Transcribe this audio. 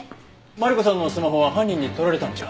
マリコさんのスマホは犯人に取られたんじゃ。